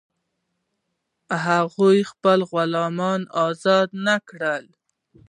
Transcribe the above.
هغوی خپل غلامان آزاد نه کړل.